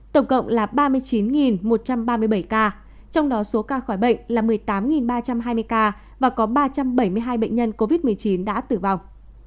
tổng cộng là ba mươi chín một trăm ba mươi bảy ca trong đó số ca khỏi bệnh là một mươi tám ba trăm hai mươi ca và có ba trăm bảy mươi hai bệnh nhân covid một mươi chín đã tử vong